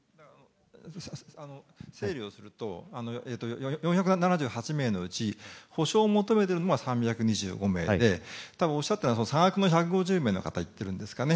整理とすると４７８人のうち補償を求めているのが３２５名でおっしゃったのは差額の１５０名の方おっしゃってるのですかね。